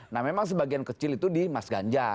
nah memang sebagian kecil itu di mas ganjar